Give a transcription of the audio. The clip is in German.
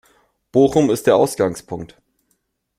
Bochum ist der Ausgangspunkt.